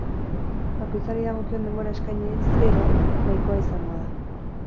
Bakoitzari dagokion denbora eskainiz gero, nahikoa izango da.